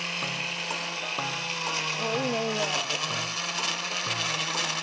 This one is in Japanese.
おっいいねいいね。